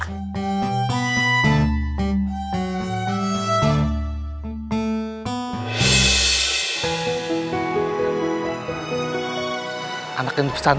kalian aku jadi penc hacia teman itu